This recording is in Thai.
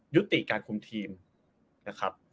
ยุติการคุมทีมนะครับ